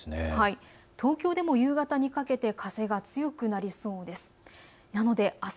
東京でも夕方にかけて風が強くなりそうです。